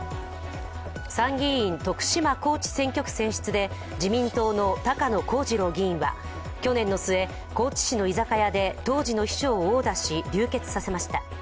参議院、徳島高知選挙区選出で自民党の高野光二郎議員は去年の末、高知市の居酒屋で当時の秘書を殴打し、流血させました。